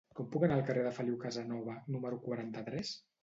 Com puc anar al carrer de Feliu Casanova número quaranta-tres?